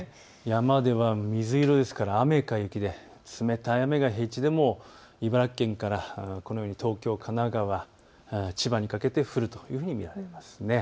山では水色ですから雨か雪で冷たい雨が平地でも茨城県から東京、神奈川、千葉にかけて降るというふうに見られます。